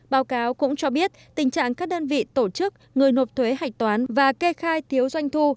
báo cáo cũng cho biết tình trạng các đơn vị tổ chức người nộp thuế hạch toán và kê khai thiếu doanh thu